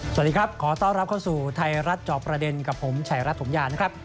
สวัสดีครับขอต้อนรับเข้าสู่ไทยรัฐจอบประเด็นกับผมชายรัฐถมยานะครับ